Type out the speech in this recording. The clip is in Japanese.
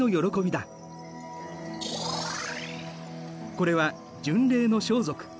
これは巡礼の装束。